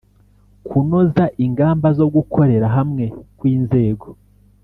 kunoza ingamba zo gukorera hamwe kw'inzego